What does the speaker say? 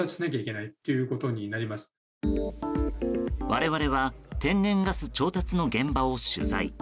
我々は天然ガス調達の現場を取材。